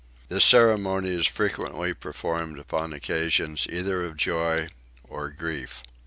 This ceremony is frequently performed upon occasions either of joy or grief.